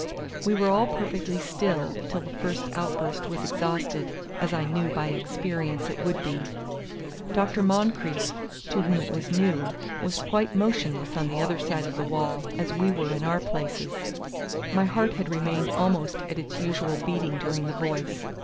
We were all perfectly still till the first outburst was exhausted, as I knew, by experience, it would be. Dr. Moncrieff, to whom it was new, was quite motionless on the other side of the wall, as we were in our places. My heart had remained almost at its usual beating during the voice.